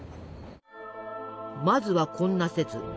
まずはこんな説。